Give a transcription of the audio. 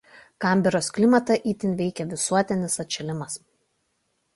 Kanberos klimatą itin veikia visuotinis atšilimas.